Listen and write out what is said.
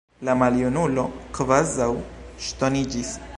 La maljunulo kvazaŭ ŝtoniĝis.